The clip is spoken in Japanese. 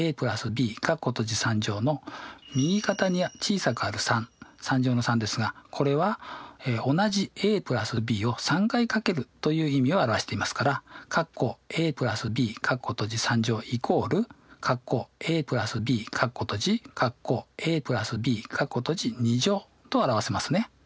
の右肩に小さくある３３乗の３ですがこれは同じ＋ｂを３回掛けるという意味を表していますからと表せますね。